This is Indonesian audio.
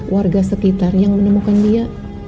warga sekitar yang menemukan dia